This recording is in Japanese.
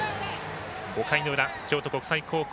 ５回の裏、京都国際高校。